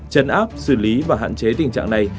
chấn áp xử lý và hạn chế tình trạng này